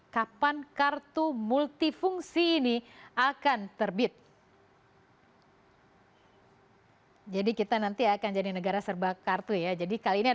kapan kartin satu akan dihubungkan